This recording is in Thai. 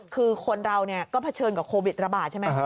คือคนเราก็เผชิญกับโควิดระบาดใช่ไหม